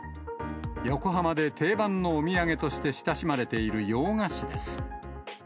横浜で定番のお土産として親しまれている洋菓子です。